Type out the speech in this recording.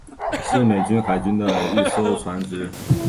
是美国海军的一艘船只。